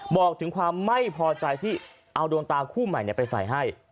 บอกถึงความไม่พอใจที่เอาดวงตาคู่ใหม่ไปใส่ให้